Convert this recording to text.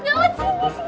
jawat jawat sini sini